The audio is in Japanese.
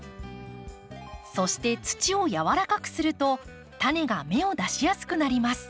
そして土をやわらかくするとタネが芽を出しやすくなります。